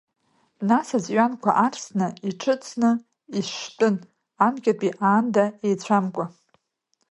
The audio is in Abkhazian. Нас аҵәҩанқәа арсны, иҿыцны ишштәын, анкьатәи аанда еицәамкәа…